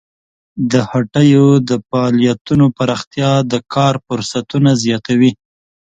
د هټیو د فعالیتونو پراختیا د کار فرصتونه زیاتوي.